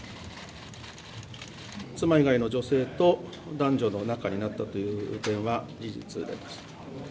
妻以外の女性と男女の仲になったという点は事実であります。